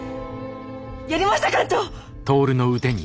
やりました艦長！